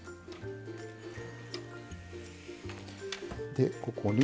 でここに。